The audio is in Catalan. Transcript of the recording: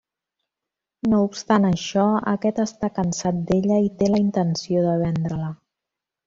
No obstant això, aquest està cansat d'ella i té la intenció de vendre-la.